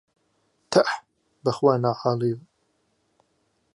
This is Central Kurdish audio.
تەح، بەخوا ناحاڵییە